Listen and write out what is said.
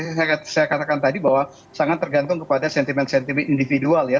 saya katakan tadi bahwa sangat tergantung kepada sentimen sentimen individual ya